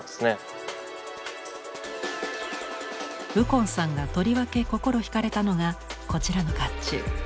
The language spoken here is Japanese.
右近さんがとりわけ心惹かれたのがこちらの甲冑。